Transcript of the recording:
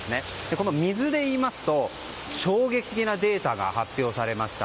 この水でいいますと衝撃的なデータが発表されました。